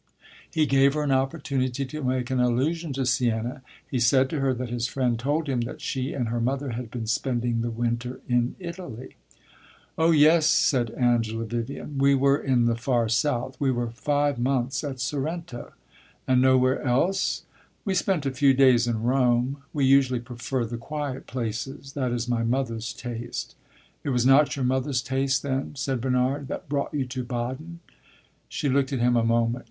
He gave her an opportunity to make an allusion to Siena; he said to her that his friend told him that she and her mother had been spending the winter in Italy. "Oh yes," said Angela Vivian; "we were in the far south; we were five months at Sorrento." "And nowhere else?" "We spent a few days in Rome. We usually prefer the quiet places; that is my mother's taste." "It was not your mother's taste, then," said Bernard, "that brought you to Baden?" She looked at him a moment.